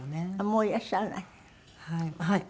もういらっしゃらない？